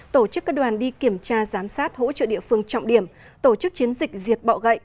tổ chức các đoàn đi kiểm tra giám sát hỗ trợ địa phương trọng điểm tổ chức chiến dịch diệt bọ gậy